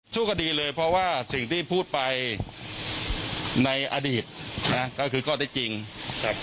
ทุกคดีเลยเพราะว่าสิ่งที่พูดไปในอดีตนะก็คือข้อได้จริงครับ